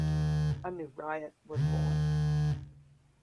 A new Riot was born.